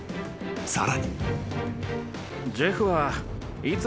［さらに］